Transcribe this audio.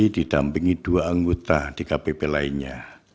didampingi dua anggota dkpp lainnya